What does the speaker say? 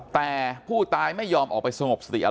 แต่ผู้ตายไม่ยอมออกไปสงบสติ